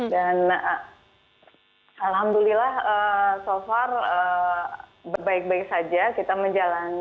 dan alhamdulillah so far baik baik saja kita menjalannya